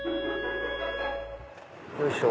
よいしょ。